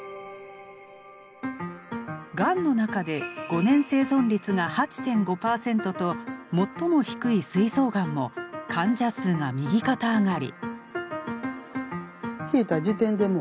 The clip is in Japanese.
がんの中で５年生存率が８．５％と最も低いすい臓がんも患者数が右肩上がり。